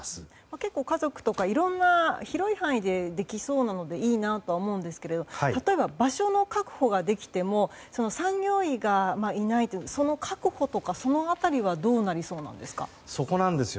結構、家族とかいろんな広い範囲でできそうなので、いいなとは思うんですけれども例えば場所の確保ができても産業医がいないとかその確保とか、その辺りはどうなりそうなんですか。